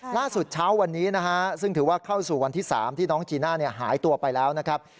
ล่าสุดเช้าวันนี้นะฮะซึ่งถือว่าเข้าสู่วันที่๓ที่น้องจีน่าหายตัวไปแล้วนะครับ